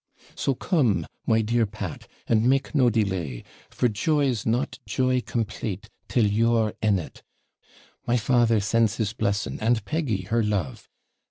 So come, my dear Pat, and make no delay, for joy's not joy complAte till you're in it my father sends his blessing, and Peggy her love.